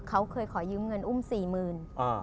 เขาเคยขอยืมเงินอุ้มสี่หมื่น